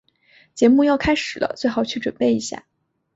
节目要开始了，最好去准备一下。